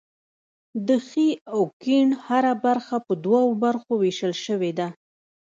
د ښي او کیڼ هره برخه په دوو برخو ویشل شوې ده.